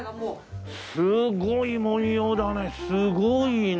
すごい文様だね。